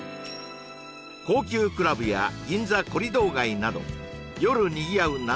高級クラブや銀座コリドー街など夜にぎわう７